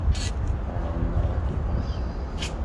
Qqaṛen-aɣ At Uqasi.